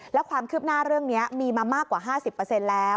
แล้วความคืบหน้าเรื่องนี้มีมามากกว่า๕๐แล้ว